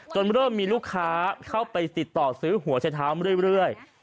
เริ่มมีลูกค้าเข้าไปติดต่อซื้อหัวใช้เท้ามาเรื่อย